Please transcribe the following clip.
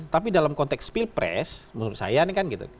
tapi dalam konteks pilpres menurut saya ini kan gitu